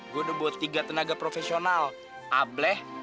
gue udah buat tiga tenaga profesional ableh